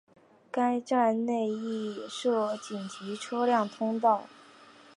该站内亦设紧急车辆通道。